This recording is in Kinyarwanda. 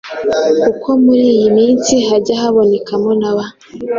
Kuko muri iyi minsi hajya habonekamo na ba “